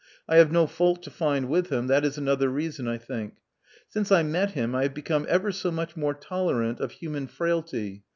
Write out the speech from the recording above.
I have no fault to find with him — that is another reason, I think. Since I met him I have become ever so much more tolerant of human frailty.